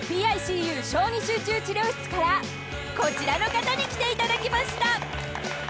［『ＰＩＣＵ小児集中治療室』からこちらの方に来ていただきました］